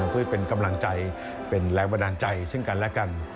เพื่อเป็นกำลังใจเป็นแรงบันดาลใจซึ่งกันและกัน